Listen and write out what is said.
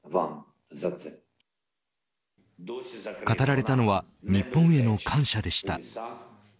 語られたのは日本への感謝でした。